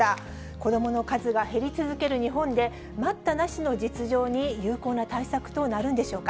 子どもの数が減り続ける日本で、待ったなしの実情に有効な対策となるんでしょうか。